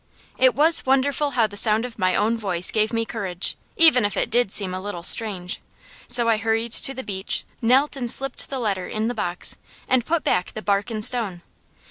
It was wonderful how the sound of my own voice gave me courage, even if it did seem a little strange. So I hurried to the beech, knelt and slipped the letter in the box, and put back the bark and stone.